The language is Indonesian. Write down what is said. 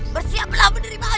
bersiaplah menerima ajalmu